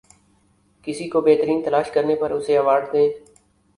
کسی کو بہترین تلاش کرنے پر اسے ایوارڈ دیں